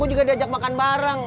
aku juga diajak makan bareng